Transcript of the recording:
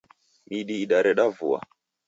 Midi idareda vua.